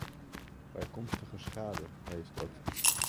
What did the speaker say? Bijkomstige schade heet dat!